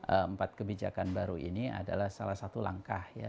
empat kebijakan baru ini adalah salah satu langkah ya